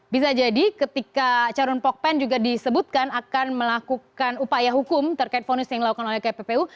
bisa jadi ketika carun pokpen juga disebutkan akan melakukan upaya hukum terkait fonis yang dilakukan oleh kppu